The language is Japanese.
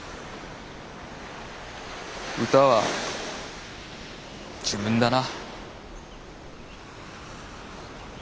歌は自分だな。